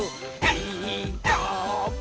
「ピーカーブ！」